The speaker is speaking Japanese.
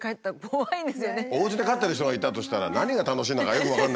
おうちで飼ってる人がいたとしたら何が楽しいんだかよく分かんないよね。